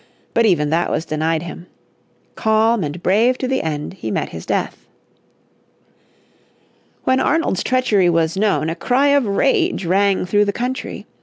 But even that was denied him. Calm and brave to the end he met his death. When Arnold's treachery was known a cry of rage rang through the country.